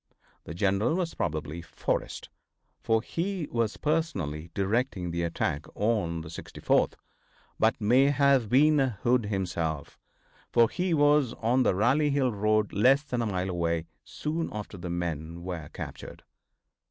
The general was probably Forrest, for he was personally directing the attack on the 64th, but may have been Hood himself, for he was on the Rally Hill road, less than a mile away, soon after the men were captured.